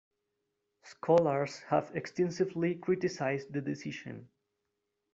Scholars have extensively criticized the decision.